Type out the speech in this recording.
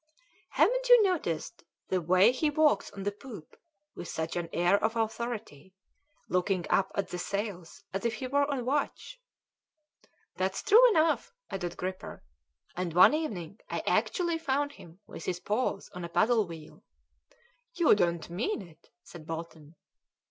"Haven't you noticed the way he walks on the poop with such an air of authority, looking up at the sails as if he were on watch?" "That's true enough," added Gripper, "and one evening I actually found him with his paws on the paddle wheel." "You don't mean it!" said Bolton.